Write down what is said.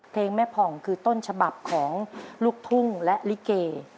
เพลงแม่ผ่องคือต้นฉบับของลูกทุ่งและลิเก